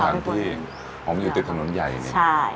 ที่ผมอยู่ตึกถนนใหญ่เนี่ย